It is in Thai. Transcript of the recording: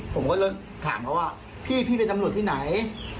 ผมก็เลยถามเขาว่าพี่เป็นตำรวจที่ไหน